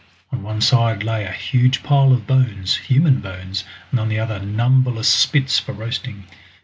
On one side lay a huge pile of bones human bones, and on the other numberless spits for roasting!